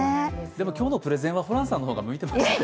でも今日のプレゼンはホランさんの方が向いてますね。